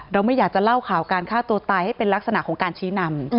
ไม่อยากจะเล่าข่าวการฆ่าตัวตายให้เป็นลักษณะของการชี้นำ